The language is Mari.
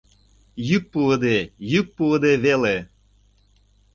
Йӱк пуыде, йӱк пуыде веле!